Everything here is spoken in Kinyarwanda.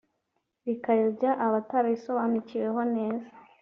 rikayobya abatarisobanukiweho neza